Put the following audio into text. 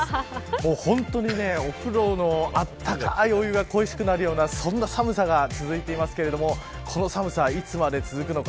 本当に、お風呂のあったかいお湯が恋しくなるようなそんな寒さが続いてますけどこの寒さ、いつまで続くのか。